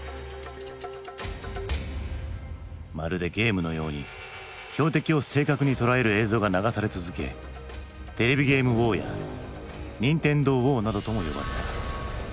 まるでゲームのように標的を正確に捉える映像が流され続けテレビゲームウォーやニンテンドーウォーなどとも呼ばれた。